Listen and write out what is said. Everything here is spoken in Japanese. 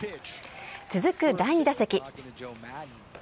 続く第２打席。